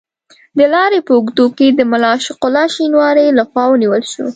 د لارې په اوږدو کې د ملا عاشق الله شینواري له خوا ونیول شو.